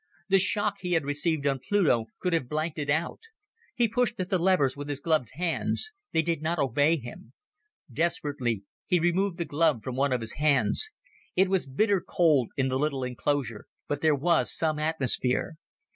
The shock he had received on Pluto could have blanked it out. He pushed at the levers with his gloved hands. They did not obey him. Desperately, he removed the glove from one of his hands. It was bitter cold in the little enclosure, but there was some atmosphere.